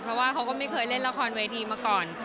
เพราะว่าเขาก็ไม่เคยเล่นละครเวทีมาก่อน